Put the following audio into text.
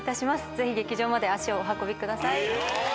ぜひ劇場まで足をお運びください。